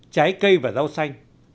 trái cây và rau xanh